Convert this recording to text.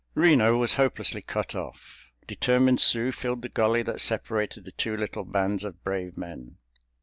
Reno was hopelessly cut off. Determined Sioux filled the gully that separated the two little bands of brave men.